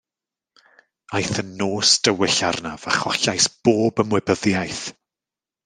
Aeth yn nos dywyll arnaf a chollais bob ymwybyddiaeth.